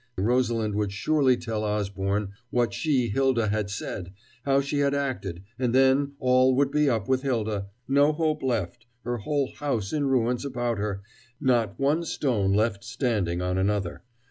Rosalind would surely tell Osborne what she, Hylda, had said, how she had acted, and then all would be up with Hylda, no hope left, her whole house in ruins about her, not one stone left standing on another.